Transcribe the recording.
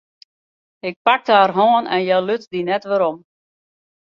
Ik pakte har hân en hja luts dy net werom.